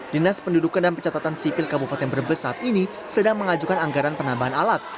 dinas pendudukan dan pencatatan sipil kabupaten brebes saat ini sedang mengajukan anggaran penambahan alat